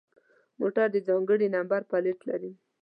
موټر د ځانگړي نمبر پلیت لري.